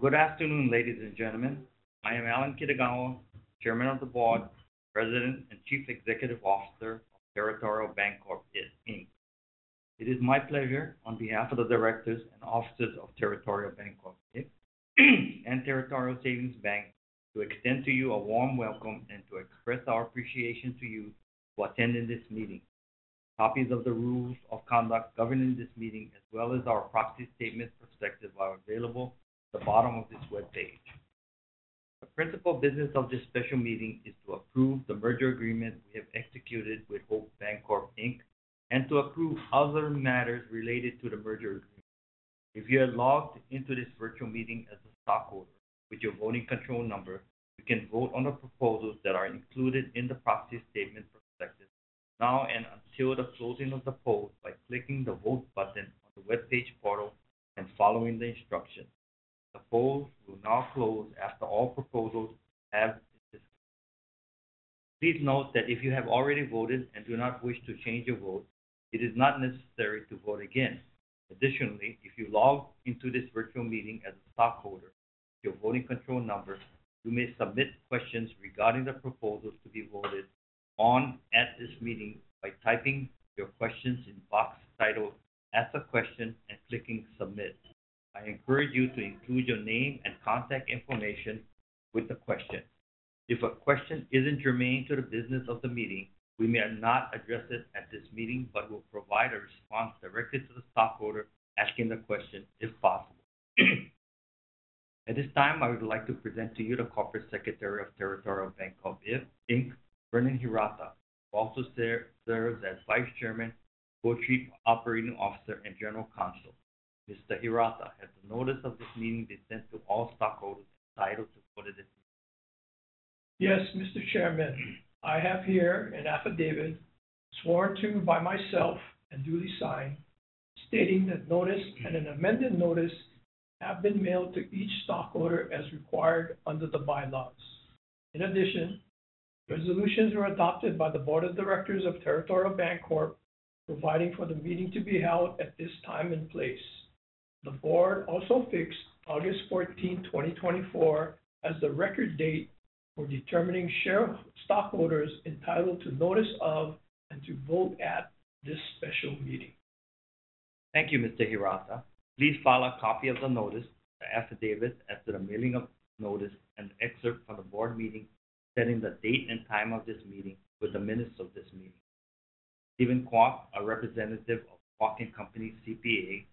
Good afternoon, ladies and gentlemen. I am Allan Kitagawa, Chairman of the Board, President, and Chief Executive Officer of Territorial Bancorp, Inc. It is my pleasure, on behalf of the Directors and Officers of Territorial Bancorp, Inc and Territorial Savings Bank, to extend to you a warm welcome and to express our appreciation to you for attending this meeting. Copies of the rules of conduct governing this meeting, as well as our proxy statement/prospectus, are available at the bottom of this webpage. The principal business of this special meeting is to approve the merger agreement we have executed with Hope Bancorp, Inc and to approve other matters related to the merger agreement. If you are logged into this virtual meeting as a stockholder with your voting control number, you can vote on the proposals that are included in the proxy statement/prospectus now and until the closing of the polls by clicking the Vote button on the webpage portal and following the instructions. The polls will now close after all proposals have been discussed. Please note that if you have already voted and do not wish to change your vote, it is not necessary to vote again. Additionally, if you logged into this virtual meeting as a stockholder with your voting control number, you may submit questions regarding the proposals to be voted on at this meeting by typing your questions in the box titled "Ask a Question" and clicking "Submit." I encourage you to include your name and contact information with the questions. If a question isn't germane to the business of the meeting, we may not address it at this meeting but will provide a response directly to the stockholder asking the question, if possible. At this time, I would like to present to you the Corporate Secretary of Territorial Bancorp, Inc, Vernon Hirata, who also serves as Vice Chairman, Co-Chief Operating Officer, and General Counsel. Mr. Hirata, has the notice of this meeting been sent to all stockholders entitled to vote at this meeting? Yes, Mr. Chairman. I have here an affidavit sworn to by myself and duly signed, stating that notice and an amended notice have been mailed to each stockholder as required under the bylaws. In addition, resolutions were adopted by the Board of Directors of Territorial Bancorp, providing for the meeting to be held at this time and place. The Board also fixed August 14, 2024, as the record date for determining shareholders entitled to notice of, and to vote at this special meeting. Thank you, Mr. Hirata. Please file a copy of the notice, the affidavit as to the mailing of notice, and the excerpt from the Board meeting setting the date and time of this meeting with the minutes of this meeting. Stephen Kwok, a representative of Kwok & Company, CPA,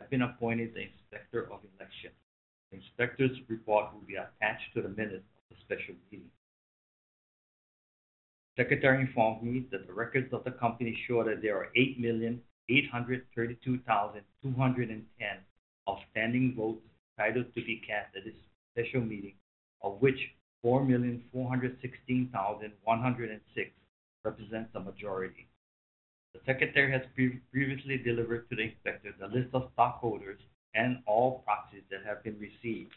has been appointed the Inspector of Elections. The inspector's report will be attached to the minutes of the special meeting. The Secretary informed me that the records of the company show that there are 8,832,210 outstanding votes entitled to be cast at this special meeting, of which 4,416,106 represent the majority. The Secretary has previously delivered to the Inspector the list of stockholders and all proxies that have been received.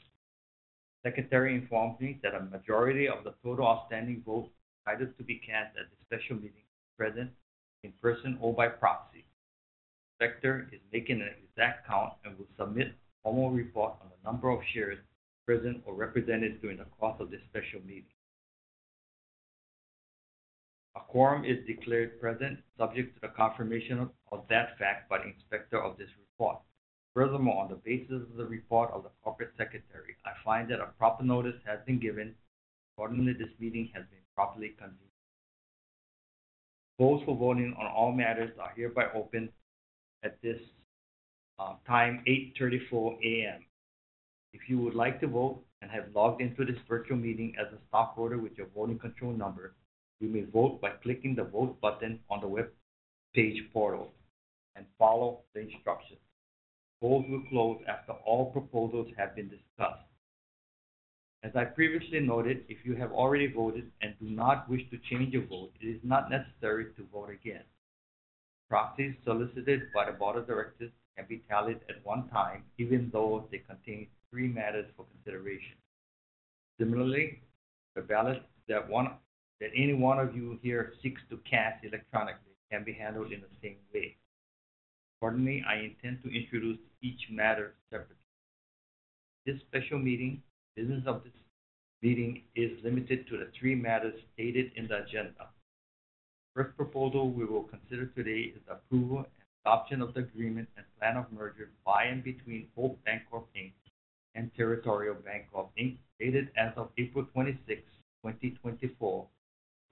The Secretary informed me that a majority of the total outstanding votes entitled to be cast at this special meeting are present in person or by proxy. The Inspector is making an exact count and will submit a formal report on the number of shares present or represented during the course of this special meeting. A quorum is declared present, subject to the confirmation of that fact by the Inspector of this report. Furthermore, on the basis of the report of the Corporate Secretary, I find that a proper notice has been given, and accordingly, this meeting has been properly convened. The polls for voting on all matters are hereby open at this time, 8:34 A.M. If you would like to vote and have logged into this virtual meeting as a stockholder with your voting control number, you may vote by clicking the Vote button on the webpage portal and follow the instructions. The polls will close after all proposals have been discussed. As I previously noted, if you have already voted and do not wish to change your vote, it is not necessary to vote again. Proxies solicited by the Board of Directors can be tallied at one time, even though they contain three matters for consideration. Similarly, the ballots that any one of you here seeks to cast electronically can be handled in the same way. Accordingly, I intend to introduce each matter separately. This special meeting, the business of this meeting, is limited to the three matters stated in the agenda. The first proposal we will consider today is the approval and adoption of the agreement and plan of merger by and between Hope Bancorp, Inc and Territorial Bancorp, Inc, dated as of April 26,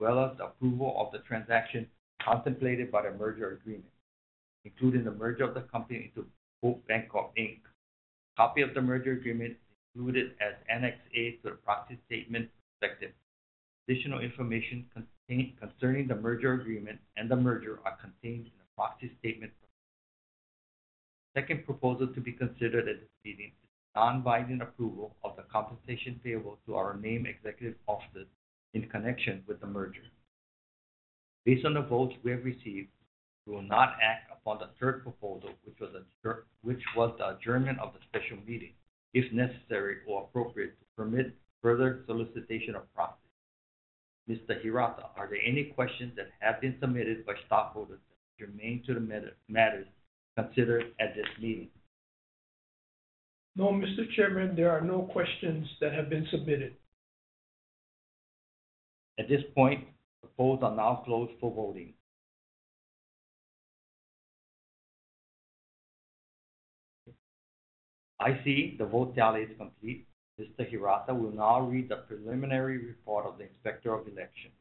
2024, as well as the approval of the transaction contemplated by the merger agreement, including the merger of the company into Hope Bancorp, Inc. A copy of the merger agreement is included as Annex A to the proxy statement/prospectus. Additional information concerning the merger agreement and the merger are contained in the proxy statement. The second proposal to be considered at this meeting is the non-binding approval of the compensation payable to our named executive officers in connection with the merger. Based on the votes we have received, we will not act upon the third proposal, which was the adjournment of the special meeting, if necessary or appropriate to permit further solicitation of proxies. Mr. Hirata, are there any questions that have been submitted by stockholders that are germane to the matters considered at this meeting? No, Mr. Chairman, there are no questions that have been submitted. At this point, the polls are now closed for voting. I see the vote tallied is complete. Mr. Hirata will now read the preliminary report of the Inspector of Elections.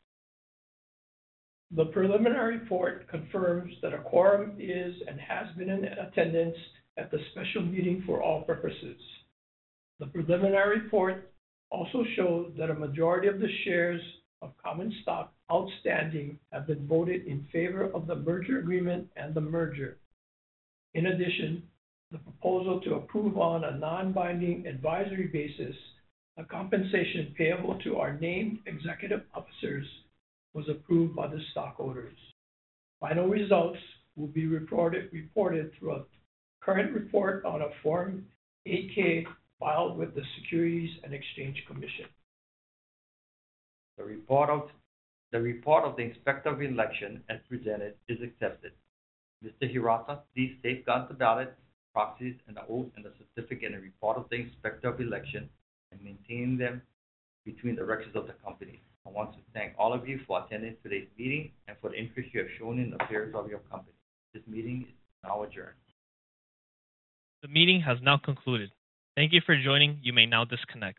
The preliminary report confirms that a quorum is and has been in attendance at the special meeting for all purposes. The preliminary report also shows that a majority of the shares of common stock outstanding have been voted in favor of the Merger Agreement and the Merger. In addition, the proposal to approve on a non-binding advisory basis of compensation payable to our named executive officers was approved by the stockholders. Final results will be reported throughout the current report on a Form 8-K filed with the Securities and Exchange Commission. The report of the Inspector of Election as presented is accepted. Mr. Hirata, please safeguard the ballots, proxies, and the oath and the certificate and report of the Inspector of Election and maintain them between the records of the company. I want to thank all of you for attending today's meeting and for the interest you have shown in the affairs of your company. This meeting is now adjourned. The meeting has now concluded. Thank you for joining. You may now disconnect.